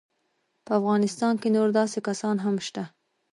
په افغانستان کې نور داسې کسان هم شته.